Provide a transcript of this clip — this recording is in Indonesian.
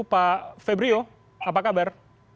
pak febrio apa kabar